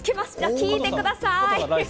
聞いてください。